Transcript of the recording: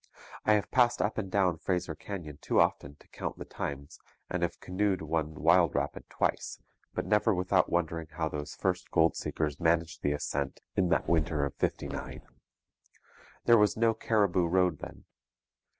I have passed up and down Fraser Canyon too often to count the times, and have canoed one wild rapid twice, but never without wondering how those first gold seekers managed the ascent in that winter of '59. There was no Cariboo Road then.